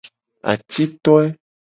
Atitoe.